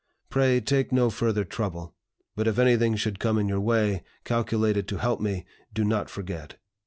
Pray take no further trouble; but if anything should come in your way, calculated to help me, do not forget.